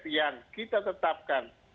yang kita tetapkan